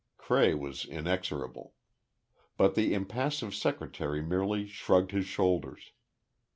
Cray was inexorable. But the impassive secretary merely shrugged his shoulders.